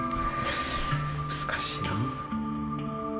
難しいなあ。